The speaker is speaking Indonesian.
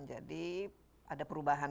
jadi ada perubahan